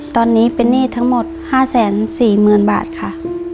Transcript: ตอนนี้เป็นหนี้ทั้งหมด๕๔๐๐๐บาทค่ะ